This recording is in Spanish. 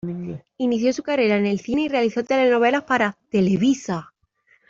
Inició su carrera en el cine y realizó telenovelas para Televisa.